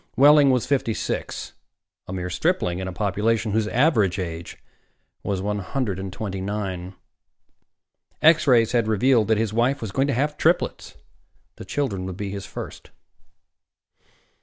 Wehling was fifty six, a mere stripling in a population whose average age was one hundred and twenty nine. X rays had revealed that his wife was going to have triplets. The children would be his first.